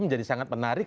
menjadi sangat menarik